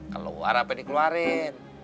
keluar apa dikeluarin